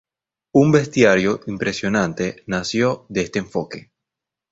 Un bestiario impresionante nació de este enfoque.